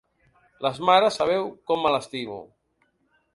Les mares sabeu com me l’estimo.